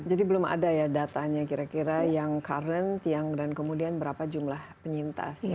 jadi belum ada ya datanya kira kira yang current dan kemudian berapa jumlah penyintas